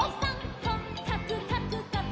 「こっかくかくかく」